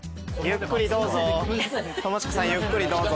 ゆっくりどうぞ。